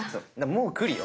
もう来るよ。